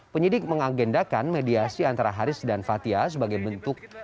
penyidik mengagendakan mediasi antara haris dan fathia sebagai bentuk